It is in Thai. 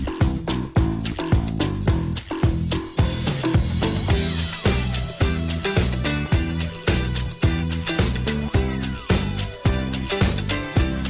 จากประเมนูวิทยาศัพที่สมัครล่วงผู้เรียนของเราทางร้ายที่สร้างหลังซึ่งแสงแสน